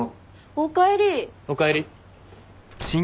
おかえり。